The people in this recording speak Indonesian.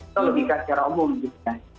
itu logika secara umum gitu kan